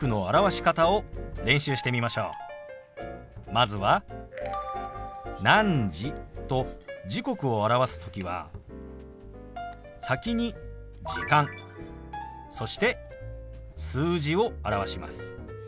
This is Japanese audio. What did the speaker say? まずは「何時」と時刻を表す時は先に「時間」そして数字を表します。